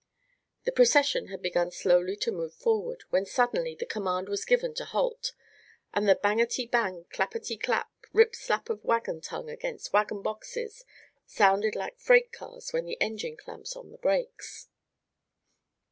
The procession had begun slowly to move forward, when suddenly the command was given to halt, and the bangity bang, clapity clap, rip slap of wagon tongue against wagon boxes sounded like freight cars when the engine clamps on the brakes.